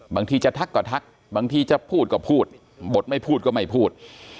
บางทีจะทักก็ทักบางทีจะพูดก็พูดบทไม่พูดก็ไม่พูด